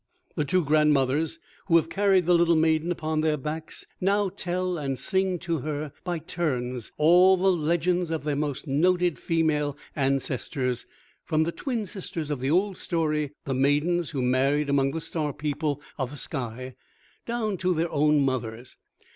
The two grandmothers, who have carried the little maiden upon their backs, now tell and sing to her by turns all the legends of their most noted female ancestors, from the twin sisters of the old story, the maidens who married among the star people of the sky, down to their own mothers.